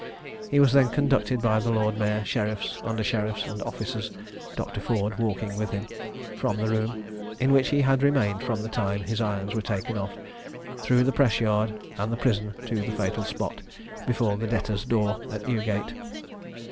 He was then conducted by the lord mayor, sheriffs, under sheriffs and officers (Dr. Ford walking with him) from the room, in which he had remained from the time his irons were taken off, through the press yard and the prison to the fatal spot, before the debtors' door at Newgate.